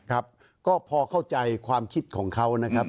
ครับก็พอเข้าใจความคิดของเขานะครับ